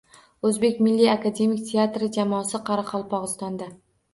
O‘zbek milliy akademik drama teatri jamoasi Qoraqalpog‘istonda